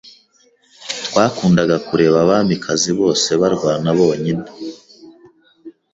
Twakundaga kureba Abamikazi bose barwana bonyine